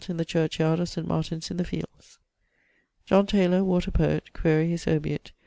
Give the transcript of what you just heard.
in the church yard of St. Martin's in the fields. John Taylor, water poet, quaere his obiit.